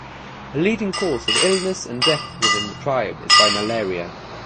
A leading cause of illness and death within the tribe is by malaria.